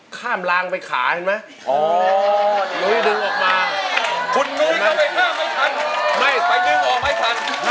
ข้ามล้างไปขาอีกไหม